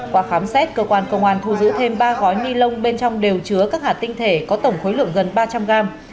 qua khám xét cơ quan công an thu giữ thêm ba gói ni lông bên trong đều chứa các hạt tinh thể có tổng khối lượng gần ba trăm linh gram